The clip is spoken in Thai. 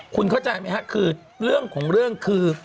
คุณเข้าใจไหมครับคือเรื่องของเรื่องคือ